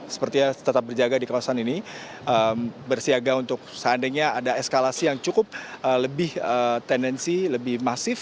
sepertinya tetap berjaga di kawasan ini bersiaga untuk seandainya ada eskalasi yang cukup lebih tendensi lebih masif